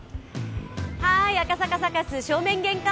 赤坂サカス、正面玄関